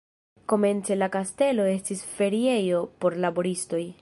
Komence la kastelo estis feriejo por laboristoj.